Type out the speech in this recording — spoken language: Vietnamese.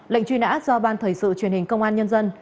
lệnh truy nã do ban thời sự truyền hình công an nhân dân